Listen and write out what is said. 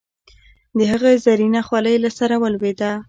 د هغه زرينه خولی له سره ولوېده.